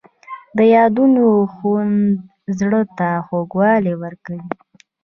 د یادونو خوند زړه ته خوږوالی ورکوي.